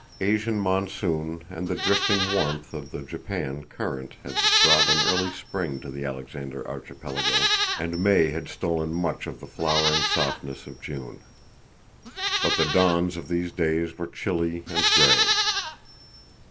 Asian monsoon and the drifting warmth of the Japan current had brought an early spring to the Alexander Archipelago, and May had stolen much of the flowering softness of June. But the dawns of these days were chilly and gray.